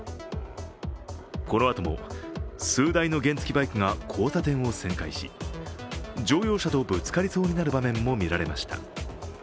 このあとも、数台の原付バイクが交差点を旋回し乗用車とぶつかりそうになる場面も見られました。